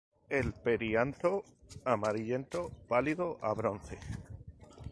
El perianto amarillento pálido a bronce.